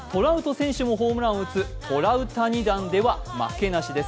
ホームランを打つトラウタニ弾では負けなしです。